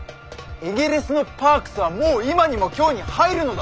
エゲレスのパークスはもう今にも京に入るのだぞ！